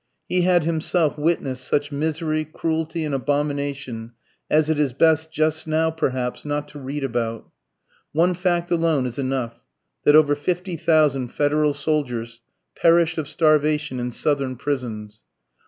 He had himself witnessed such misery, cruelty, and abomination as it is best just now, perhaps, not to read about. One fact alone is enough; that over fifty thousand Federal soldiers perished of starvation in Southern prisons.